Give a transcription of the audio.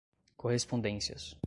correspondências